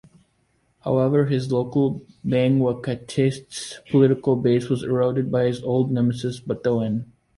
However, his local Bangwaketse political base was eroded by his old nemesis Bathoen.